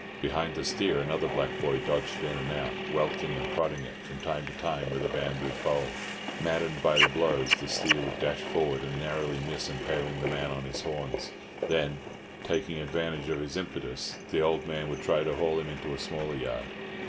Behind the steer another black boy dodged in and out, welting and prodding it from time to time with a bamboo pole. Maddened by the blows, the steer would dash forward and narrowly miss impaling the man on his horns; then, taking advantage of his impetus, the old man would try to haul him into a smaller yard.